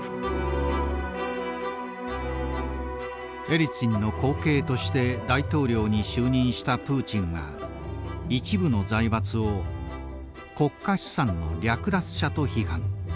エリツィンの後継として大統領に就任したプーチンは一部の財閥を国家資産の略奪者と批判。